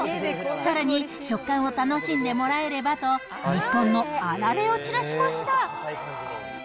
さらに食感を楽しんでもらえればと、あられをちらしました。